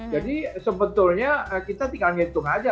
jadi sebetulnya kita tinggal ngitung aja